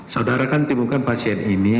saudara kan timbulkan pasien ini